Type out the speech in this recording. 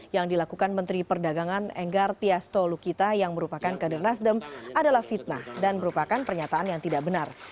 yang dilakukan menteri perdagangan enggar tiasto lukita yang merupakan kader nasdem adalah fitnah dan merupakan pernyataan yang tidak benar